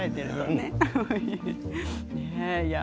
ねえいや。